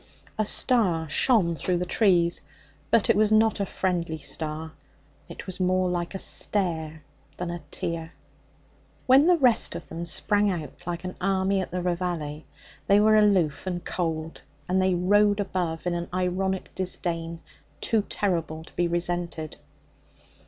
A star shone through the trees, but it was not a friendly star. It was more like a stare than a tear. When the rest of them sprang out like an army at the reveille, they were aloof and cold, and they rode above in an ironic disdain too terrible to be resented.